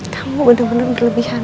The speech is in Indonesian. kamu bener bener berlebihan